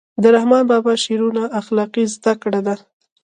د رحمان بابا شعرونه اخلاقي زده کړه ده.